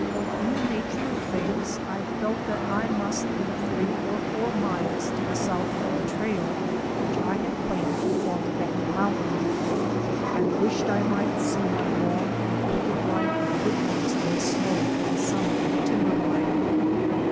In the nature of things I felt that I must be three or four miles to the south of the trail which I had planned to follow down the mountain. I wished I might see my long and crooked line of footmarks in the snow from the summit to timberline.